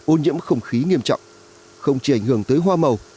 ô nhiễm không khí nghiêm trọng không chỉ ảnh hưởng tới hoa màu